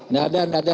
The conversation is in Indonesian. nggak ada nggak ada